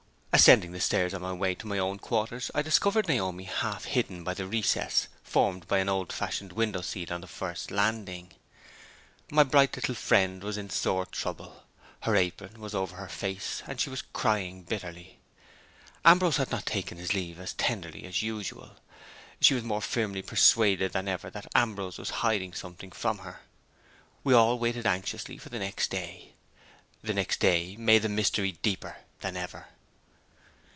Ascending the stairs on my way to my own quarters, I discovered Naomi half hidden by the recess formed by an old fashioned window seat on the first landing. My bright little friend was in sore trouble. Her apron was over her face, and she was crying bitterly. Ambrose had not taken his leave as tenderly as usual. She was more firmly persuaded than ever that "Ambrose was hiding something from her." We all waited anxiously for the next day. The next day made the mystery deeper than ever.